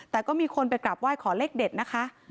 แต่ก็มีคนไปกราบไหว้ขอเลขเด็ดนะคะ